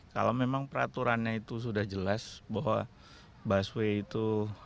kalau memang peraturannya itu sudah jelas bahwa busway itu